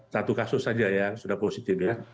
satu kasus saja ya sudah positif ya